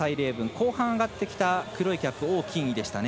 後半上がってきた黒いキャップ、王欣怡でした。